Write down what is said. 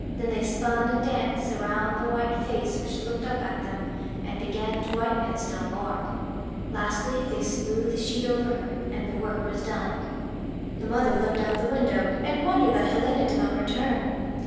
Then they spun a dance around the white face which looked up at them, and began to whiten it still more ; lastly, they smoothed the sheet over her, and the work was done. The mother looked out of the window and wondered that Helena did not return.